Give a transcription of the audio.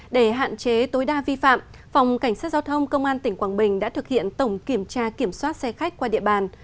để hạn chế tối đa vi phạm phòng cảnh sát giao thông công an tỉnh quảng bình đã thực hiện tổng kiểm tra kiểm soát xe khách qua địa bàn